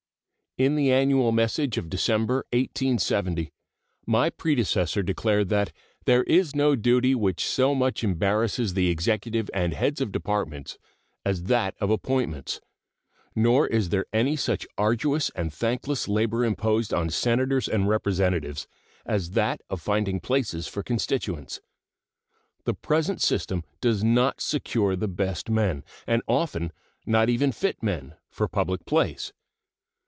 In the annual message of December, 1870, my predecessor declared that There is no duty which so much embarrasses the Executive and heads of Departments as that of appointments, nor is there any such arduous and thankless labor imposed on Senators and Representatives as that of finding places for constituents. The present system does not secure the best men, and often not even fit men, for public place.